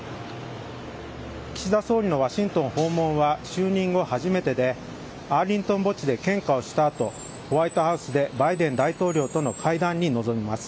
岸田総理のワシントン訪問は就任後、初めてでアーリントン墓地で献花をした後ホワイトハウスでバイデン大統領との会談に臨みます。